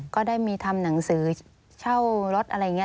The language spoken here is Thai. ก็ได้มีทำหนังสือเช่ารถอะไรอย่างนี้